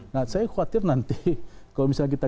nah saya khawatir nanti kalau misalnya kita